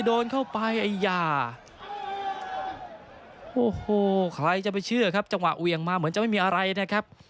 โอ้โหใครจะไปเชื่อครับจังหวะเวียงมาเหมือนจะไม่มีอะไรนะครับ